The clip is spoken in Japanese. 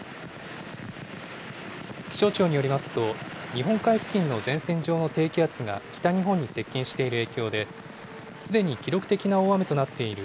気象庁によりますと、日本海付近の前線上の低気圧が北日本に接近している影響で、すでに記録的な大雨となっている